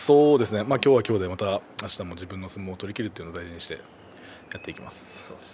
今日は今日であしたはあしたの自分の相撲を取りきるということを大事にしてやっていきます。